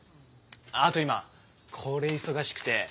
あと今これ忙しくて。